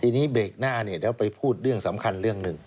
ทีนี้เบรกหน้าเนี่ยเดี๋ยวไปพูดเรื่องสำคัญเรื่องหนึ่ง